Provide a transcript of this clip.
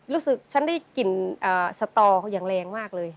รู้สึกฉันได้กลิ่นสตอเขาอย่างแรงมากเลย